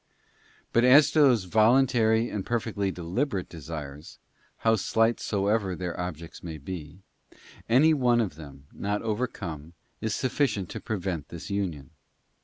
* But as to those voluntary and perfectly deliberate desires, how slight soever their objects may be, any one of them, not One act docs OVETCOME, is sufficient to prevent this union.